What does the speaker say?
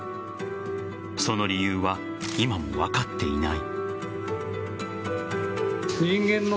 その理由は今も分かっていない。